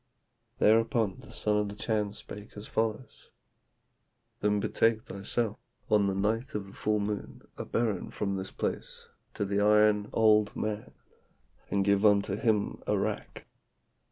"Thereupon the son of the Chan spake as follows: 'Then betake thyself on the night of the full moon a berren from this place to the iron old man, and give unto him arrack.